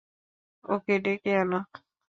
ওকে ডেকে আনো।